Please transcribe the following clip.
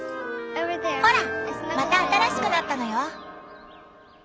ほらまた新しくなったのよ！